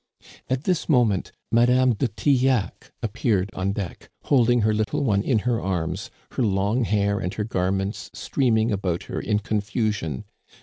"At this moment Madame de Tillac appeared on deck, holding her little one in her arms, her long hair and her garments streaming about her in confusion.